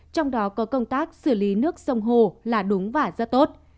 trong đó có công tác xử lý nước sông hồ là đúng và rất tốt